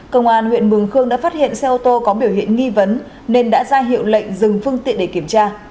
công an huyện mường khương đã phát hiện xe ô tô có biểu hiện nghi vấn nên đã ra hiệu lệnh dừng phương tiện để kiểm tra